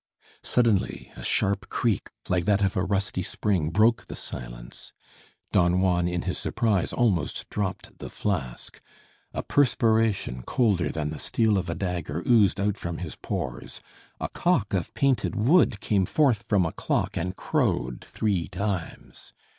Suddenly a sharp creak, like that of a rusty spring, broke the silence. Don Juan, in his surprise, almost dropped the flask. A perspiration, colder than the steel of a dagger, oozed out from his pores. A cock of painted wood came forth from a clock and crowed three times.